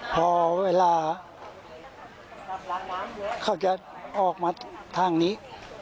พอเวลาเขาจะออกมาทางนี้